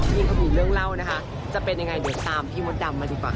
พี่ของเราจะเป็นยังไงตามพี่มฎดำมาดีกว่าค่ะ